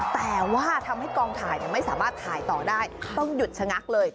แต่ว่าทำให้กองถ่ายไม่สามารถถ่ายต่อได้ต้องหยุดชะงักเลย